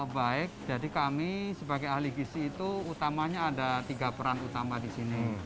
baik jadi kami sebagai ahli gisi itu utamanya ada tiga peran utama di sini